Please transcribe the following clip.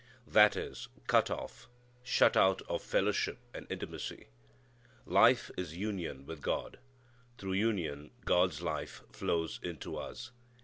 That is, cut off, shut out of fellowship and intimacy. Life is union with God. Through union God's life flows into us.